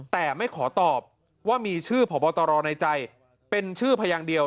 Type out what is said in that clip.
แต่ไม่ขอตอบว่ามีชื่อผอบตรในใจเป็นชื่อพยางเดียว